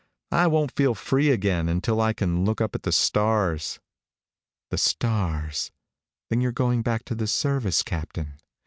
I won't feel free again until I can look up at the stars." "The stars. Then you're going back to the service, Captain?